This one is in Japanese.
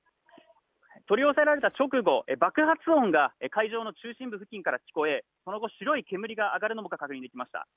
取り押さえられた直後、爆発音が会場の中心部付近から聞こえその後、白い煙が上がるのが見えました。